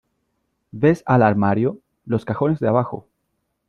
¿ ves al armario ? los cajones de abajo .